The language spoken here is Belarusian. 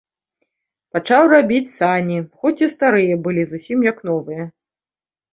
Пачаў рабіць сані, хоць і старыя былі зусім як новыя.